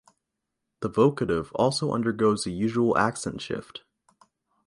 The vocative also undergoes the usual accent shift.